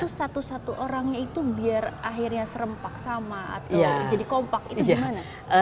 itu satu satu orangnya itu biar akhirnya serempak sama atau jadi kompak itu gimana